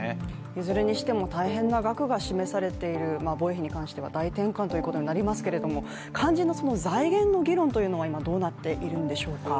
いずれにしても大変な額が示されている防衛費に関しては大転換ということになりますが肝心の財源の議論というのは今、どうなっているんでしょうか。